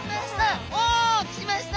おきました。